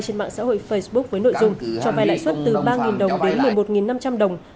trên mạng xã hội facebook với nội dung cho vai lãi suất từ ba đồng đến một mươi một năm trăm linh đồng